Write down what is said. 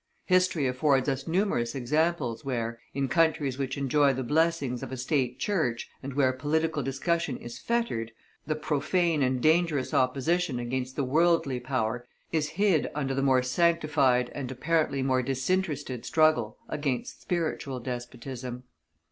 History affords us numerous examples where, in countries which enjoy the blessings of a State Church, and where political discussion is fettered, the profane and dangerous opposition against the worldly power is hid under the more sanctified and apparently more disinterested struggle against spiritual despotism.